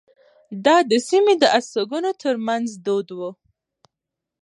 دا د سیمې د استوګنو ترمنځ دود وو.